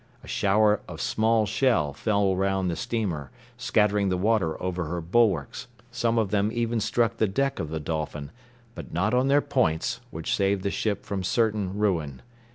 A shower of small shell fell round the steamer, scattering the water over her bulwarks; some of them even struck the deck of the Dolphin, but not on their points, which saved the ship from certain ruin.